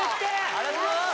ありがとうございます